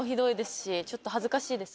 ちょっと恥ずかしいですけど。